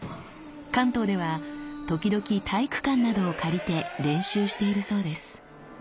関東では時々体育館などを借りて練習しているそうです。